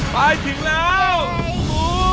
ไปถึงแล้ว